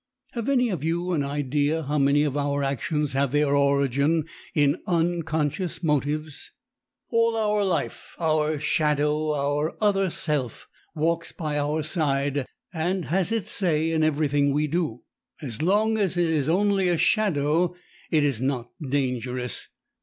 Have any of you an idea how many of our actions have their origin in 'unconscious' motives? All our life our shadow, our other self, walks by our side and has its say in everything we do. As long as it is only a shadow it is not dangerous.